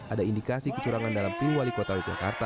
ada indikasi kecurangan dalam pil wali kota yogyakarta